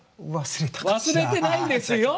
忘れてないですよ！